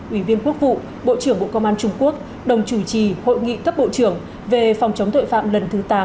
ủy viên quốc vụ bộ trưởng bộ công an trung quốc đồng chủ trì hội nghị cấp bộ trưởng về phòng chống tội phạm lần thứ tám